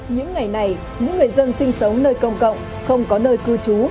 những ngày này những người dân sinh sống nơi công cộng không có nơi cư trú